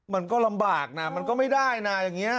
มันก็ลำบากนะมันก็ไม่ได้นะอย่างนี้